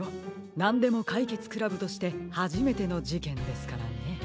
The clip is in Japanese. なんでもかいけつ倶楽部としてはじめてのじけんですからね。